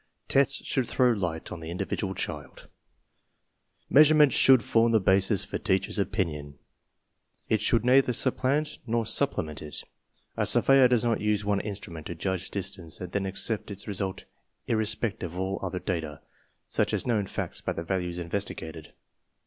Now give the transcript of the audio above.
TESTS SHOULD THROW LIGHT ON THE INDIVIDUAL CHILD Measurement should form the basis for teachers' opinion; it should neither supplant nor supplement it. A surveyor does not use one instrument to judge dis tance and then accept its result irrespective of all other data, such as known facts about the values investigated.